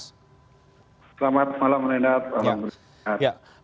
selamat malam menenat alam britan